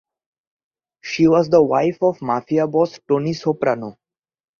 She was the wife of Mafia boss Tony Soprano.